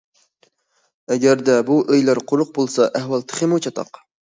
ئەگەردە بۇ ئۆيلەر قۇرۇق بولسا، ئەھۋال تېخىمۇ چاتاق.